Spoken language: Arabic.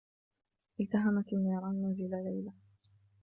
التهمت النّيران منزل ليلى.